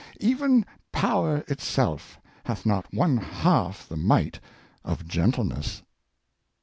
" Even Power itself hath not one half the might of gentleness."